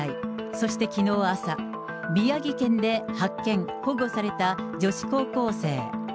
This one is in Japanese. そしてきのう朝、宮城県で発見、保護された女子高校生。